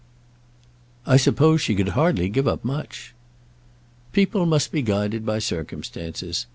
"I suppose she could hardly give up much." "People must be guided by circumstances.